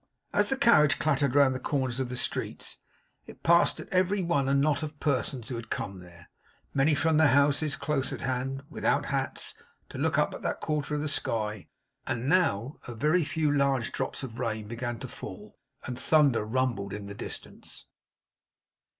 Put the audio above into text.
As the carriage clattered round the corners of the streets, it passed at every one a knot of persons who had come there many from their houses close at hand, without hats to look up at that quarter of the sky. And now a very few large drops of rain began to fall, and thunder rumbled in the distance.